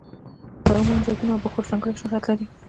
د عمان زیتون او بخور ځانګړی شهرت لري.